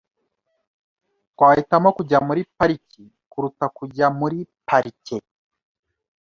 Twahitamo kujya muri pariki kuruta kujya muri parike.